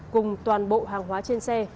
cùng toàn bộ hàng hóa trên xe